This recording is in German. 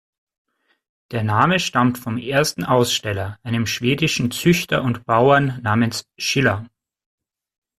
Der Name stammt vom ersten Aussteller, einem schwedischen Züchter und Bauern namens Schiller.